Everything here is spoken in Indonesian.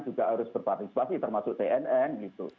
juga harus berpartisipasi termasuk tnn